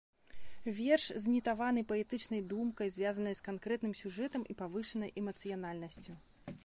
Верш знітаваны паэтычнай думкай, звязанай з канкрэтным сюжэтам і павышанай эмацыянальнасцю.